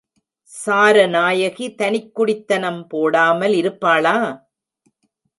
சாரநாயகி தனிக் குடித்தனம் போடாமல் இருப்பாளா?